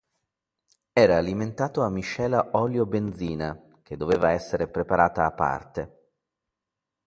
Era alimentato a miscela olio-benzina, che doveva essere preparata a parte.